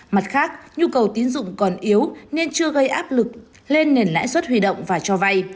mặt khác nhu cầu tín dụng còn yếu nên chưa gây áp lực lên nền lãi suất huy động và cho vay